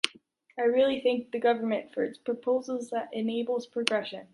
I really thank the government for its proposal that enables progression.